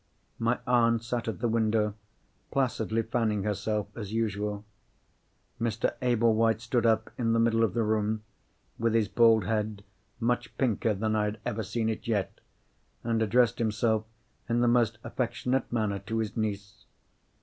My aunt sat at the window; placidly fanning herself as usual. Mr. Ablewhite stood up in the middle of the room, with his bald head much pinker than I had ever seen it yet, and addressed himself in the most affectionate manner to his niece.